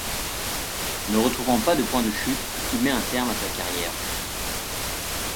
Ne retrouvant pas de point de chute, il met un terme à sa carrière.